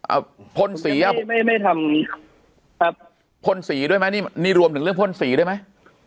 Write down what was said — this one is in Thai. เอาพ่นสีอ่ะไม่ไม่ทำครับพ่นสีด้วยไหมนี่นี่รวมถึงเรื่องพ่นสีได้ไหม